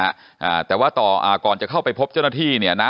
อ่าแต่ว่าต่ออ่าก่อนจะเข้าไปพบเจ้าหน้าที่เนี่ยนะ